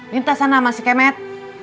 minta sana sama si kemet